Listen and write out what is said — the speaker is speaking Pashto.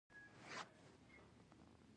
شپږمه برخه